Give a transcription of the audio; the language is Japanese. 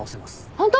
ホント？